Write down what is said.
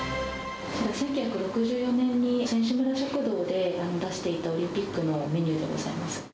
１９６４年に選手村食堂で出していたオリンピックのメニューでございます。